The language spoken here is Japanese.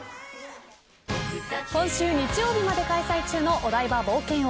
今週日曜日までに開催中のお台場冒険王